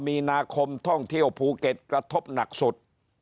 มีนาคมท่องเที่ยวภูเก็ตกระทบหนักสุด